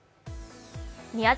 宮崎